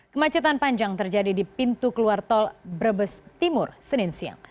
kemacetan panjang terjadi di pintu keluar tol brebes timur senin siang